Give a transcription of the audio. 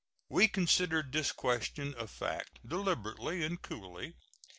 We considered this question of fact deliberately and coolly.